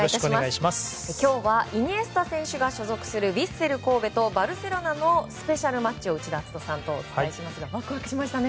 今日はイニエスタ選手が所属するヴィッセル神戸とバルセロナのスペシャルマッチを内田篤人さんとお伝えしますがワクワクしましたね。